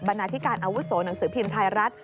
นาธิการอาวุโสหนังสือพิมพ์ไทยรัฐ